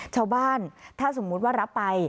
ชาวบ้านถ้าสมมุติว่ารับไป